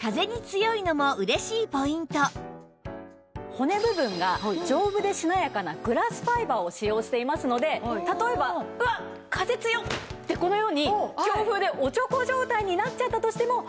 骨部分が丈夫でしなやかなグラスファイバーを使用していますので例えば「うわっ！風強っ！」ってこのように強風でおちょこ状態になっちゃったとしても大丈夫。